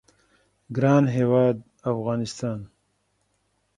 ګران هیواد افغانستان